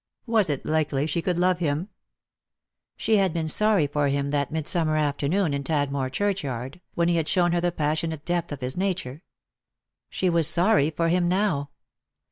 Was it likely she could love him ? She had been sorry for him that midsummer afternoon in Tadmor churchyard, when he had shown her the passionate depth of his nature. She was sorry for him now.